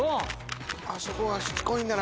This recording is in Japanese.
そこはしつこいんだな。